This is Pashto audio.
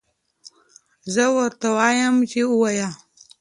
زه ورته وایم چې ووایه.